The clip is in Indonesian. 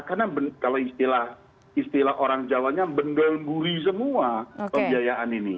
karena kalau istilah istilah orang jawanya benggelguri semua pembiayaan ini